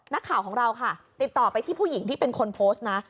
นักข่าวของเราค่ะติดต่อไปที่ผู้หญิงที่เป็นคนโพสต์นะ